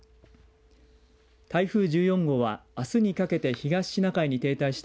台風１４号はあすにかけて東シナ海に停滞した